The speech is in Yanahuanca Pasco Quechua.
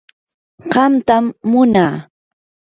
qamtam munaa.